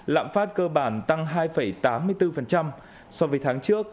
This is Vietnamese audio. lạm phát cơ bản tăng hai tám mươi bốn so với tháng trước